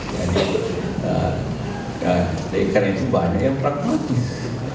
dari karya jubahnya yang praktis